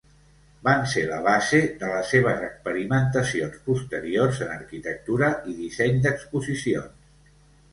Van ser la base de les seves experimentacions posteriors en arquitectura i disseny d'exposicions.